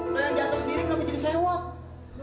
lo yang jatuh sendiri kamu jadi sewok